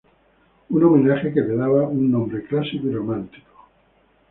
Un homenaje que le daba un nombre clásico y romántico.